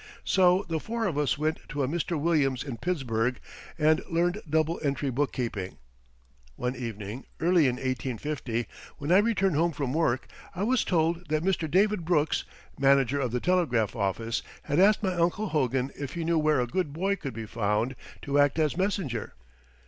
So the four of us went to a Mr. Williams in Pittsburgh and learned double entry bookkeeping. One evening, early in 1850, when I returned home from work, I was told that Mr. David Brooks, manager of the telegraph office, had asked my Uncle Hogan if he knew where a good boy could be found to act as messenger.